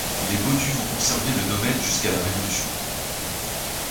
Les Baudus vont conserver le domaine jusqu'à la Révolution.